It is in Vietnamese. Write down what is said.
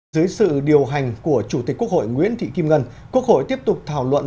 dưới sự điều hành của chủ tịch quốc hội nguyễn thị kim ngân quốc hội tiếp tục thảo luận